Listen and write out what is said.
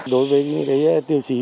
đối với tiêu chí